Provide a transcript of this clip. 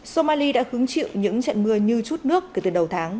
somali đã hứng chịu những trận mưa như chút nước kể từ đầu tháng